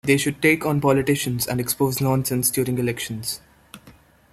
They should take on politicians, and expose nonsense during elections.